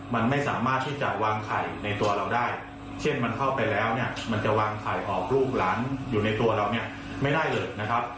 มันไม่สามารถที่จะวางไข่ในตัวเราได้เช่นมันเข้าไปแล้วเนี่ยมันจะวางไข่ออกลูกหลานอยู่ในตัวเราเนี่ยไม่ได้เลยนะครับ